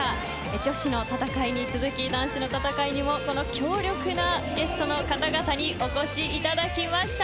女子の戦いに続き男子の戦いにもこの強力なゲストの方々にお越しいただきました。